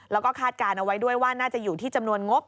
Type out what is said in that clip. แล้วก็คาดการณ์เอาไว้ด้วยว่าน่าจะอยู่ที่จำนวนงบ